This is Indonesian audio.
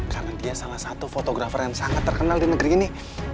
karena dia salah satu fotografer yang sangat terkenal di negeri ini